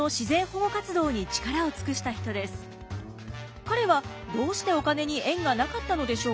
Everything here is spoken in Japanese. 彼はどうしてお金に縁がなかったのでしょうか？